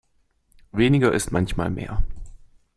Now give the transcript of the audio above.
Weniger ist manchmal mehr.